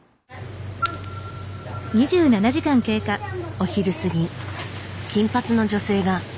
お昼過ぎ金髪の女性が。